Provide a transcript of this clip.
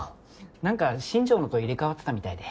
何か新条のと入れ替わってたみたいで。